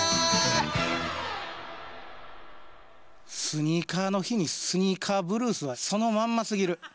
スニーカーの日に「スニーカーぶるす」はそのまんますぎる。